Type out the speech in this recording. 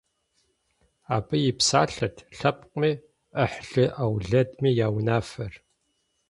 Абы и псалъэрт лъэпкъми, ӏыхьлы-ӏэулэдми я унафэр.